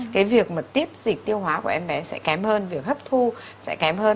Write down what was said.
cái việc mà tiếp dịch tiêu hóa của em bé sẽ kém hơn việc hấp thu sẽ kém hơn